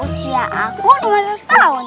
usia aku cuma satu tahun